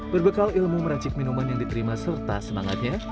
berbekal ilmu merancik minuman yang diterima serta semangatnya